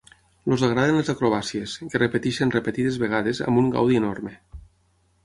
Els agraden les acrobàcies, que repeteixen repetides vegades amb un gaudi enorme.